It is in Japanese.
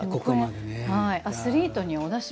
アスリートにおだし